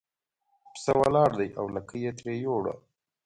پسه ولاړ دی او لکۍ یې ترې یووړه.